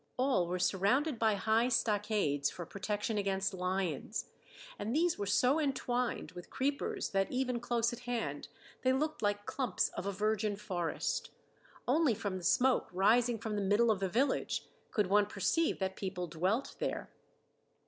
All were surrounded by high stockades for protection against lions, and these were so entwined with creepers that even close at hand they looked like clumps of a virgin forest. Only from the smoke rising from the middle of the village could one perceive that people dwelt there.